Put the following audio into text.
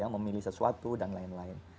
memilih sesuatu dan lain lain